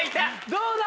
どうだ？